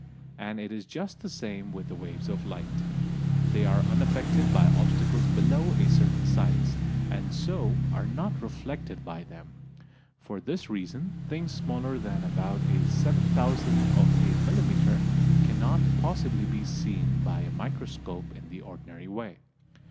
And it is just the same with the waves of light; they are unaffected by obstacles below a certain size, and so are not reflected by them. For this reason things smaller than about a seven thousandth of a millimetre cannot possibly be seen by a microscope in the ordinary way.